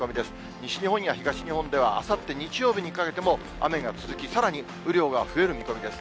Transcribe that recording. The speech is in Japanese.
西日本や東日本では、あさって日曜日にかけても、雨が続き、さらに雨量が増える見込みです。